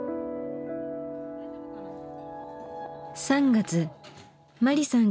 ３月マリさん